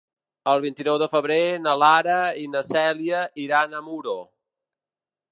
El vint-i-nou de febrer na Lara i na Cèlia iran a Muro.